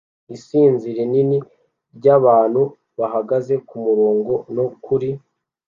Isinzi rinini ryabantu bahagaze kumurongo no kuri